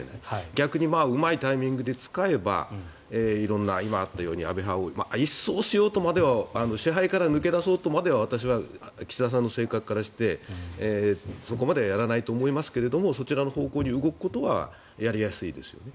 逆にうまいタイミングでいけば今、あったように安倍派を一掃しようとまでは支配から抜け出そうとまでは私は岸田さんの性格からしてそこまではやらないと思いますがそちらの方向に動くことはやりやすいですよね。